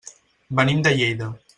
Venim de Lleida.